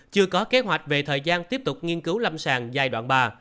chưa có kế hoạch về thời gian tiếp tục nghiên cứu lâm sàng giai đoạn ba